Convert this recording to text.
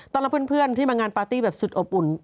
รับเพื่อนที่มางานปาร์ตี้แบบสุดอบอุ่น